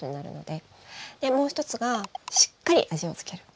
でもう１つがしっかり味を付ける。